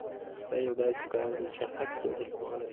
دا یو داسې کار دی چې هر څوک یې کولای شي